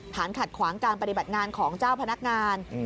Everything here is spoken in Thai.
ฐานขัดขวางการปฏิบัติงานของเจ้าพนักงาน